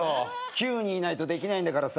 ９人いないとできないんだからさ。